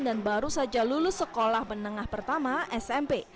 dan baru saja lulus sekolah menengah pertama smp